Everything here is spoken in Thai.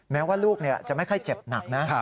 แม้ว่าลูกจะไม่ค่อยเจ็บหนักนะ